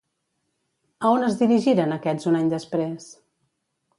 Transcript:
A on es dirigiren aquests un any després?